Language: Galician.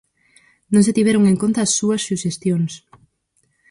Non se tiveron en conta as súas suxestións.